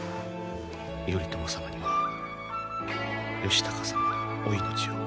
頼朝様には義高様のお命を。